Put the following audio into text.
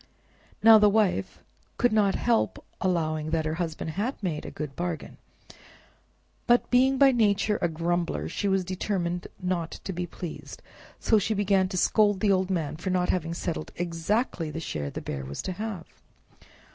Now the wife could not help allowing that her husband had made a good bargain, but being by nature a grumbler, she was determined not to be pleased, so she began to scold the old man for not having settled exactly the share the Bear was to have.